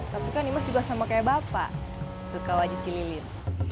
tapi kan imas juga sama kayak bapak suka wajib cililin